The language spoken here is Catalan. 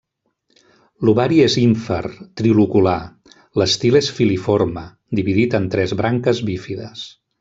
L'ovari és ínfer, trilocular, l'estil és filiforme, dividit en tres branques bífides.